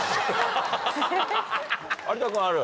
有田君ある？